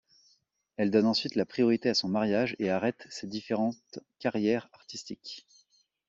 Elle donne ensuite la priorité à son mariage et arrête ses différentes carrières artistiques.